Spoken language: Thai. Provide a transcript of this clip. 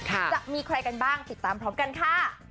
จะมีใครกันบ้างติดตามพร้อมกันค่ะ